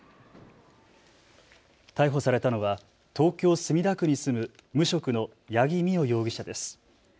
逮捕されたのは東京墨田区に住む無職の八木美緒容疑者です。